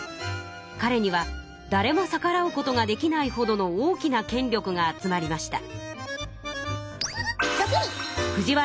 かれにはだれも逆らうことができないほどの大きな権力が集まりました。